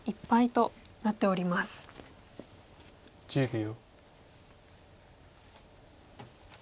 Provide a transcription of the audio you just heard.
１０秒。